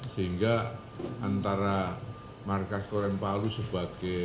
sehingga antara markas korem palu sebagai